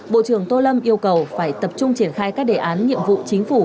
bộ trưởng tô lâm yêu cầu phải tập trung triển khai các đề án nhiệm vụ chính phủ